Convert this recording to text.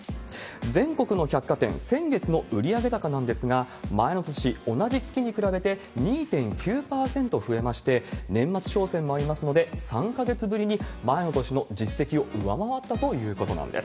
全国の百貨店、先月の売上高なんですが、前の年、同じ月に比べて２．９％増えまして、年末商戦もありますので、３か月ぶりに前の年の実績を上回ったということなんです。